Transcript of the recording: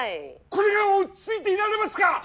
これが落ち着いていられますか！